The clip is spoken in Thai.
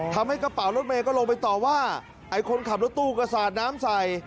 ทำให้กระเป๋ารถเมย์ก็ลงไปต่อว่าไอ้คนขับรถตู้ก็สาดน้ำใส่